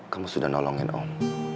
kamu sudah nolongin om